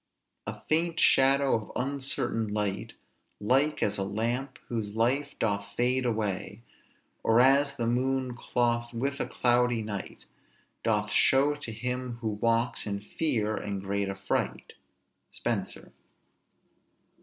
"A faint shadow of uncertain light, Like as a lamp, whose life doth fade away; Or as the moon clothed with cloudy night Doth show to him who walks in fear and great affright." SPENSER.